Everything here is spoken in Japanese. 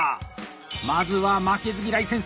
まずは「負けず嫌い先生」